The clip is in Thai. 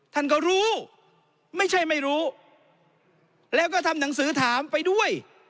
ท่านก็รู้ไม่ใช่ไม่รู้แล้วก็ทำหนังสือถามไปด้วย